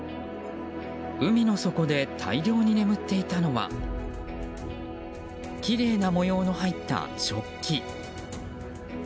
海の底で大量に眠っていたのはきれいな模様の入った食器。